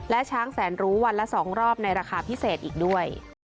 และช้างแสนรู้วันละ๒รอบในราคาพิเศษอีกด้วย